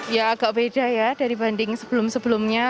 ya agak beda ya dari banding sebelum sebelumnya